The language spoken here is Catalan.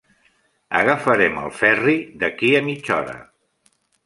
Agafarem el ferri d'aquí a mitja hora.